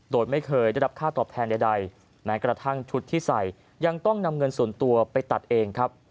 โดยไม่เคยได้รับค่าตอบแทนใดแม้กระทั่งชุดที่ใส่ยังต้องนำเงินส่วนตัวไปตัดเองครับ